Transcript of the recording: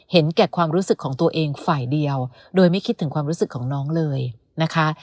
เห็นแก่ความรู้สึกของตัวเองฝ่ายเดียวโดยไม่คิดถึงความรู้สึกของน้องเลยนะคะ